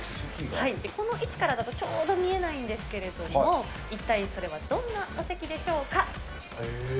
この位置からだとちょうど見えないんですけれども、一体それはどむずいな。